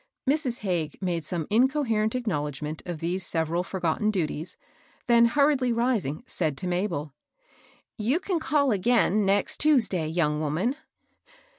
Mrs. Hagges made some incoherent acknowledg ment of these several forgotten duties, then hur riedly rising, said to Mabel, — "You can call again, next Tuesday, young woman."